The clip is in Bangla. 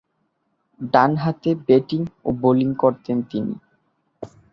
ডানহাতে ব্যাটিং ও বোলিং করতেন তিনি।